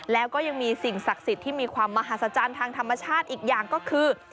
แล้วก็ยังมีสิ่งศักดิ์สิทธิ์ที่มีความมหาศจรรย์ทางธรรมชาติอีกอย่างก็คือ